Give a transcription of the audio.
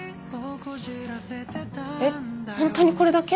えっホントにこれだけ？